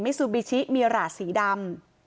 มิสุบิชิมีราชสีดำ